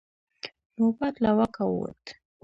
نوبت له واکه ووت.